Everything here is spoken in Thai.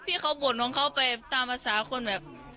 พี่เขาบ่นของเขาไปตามภาษาคนแบบ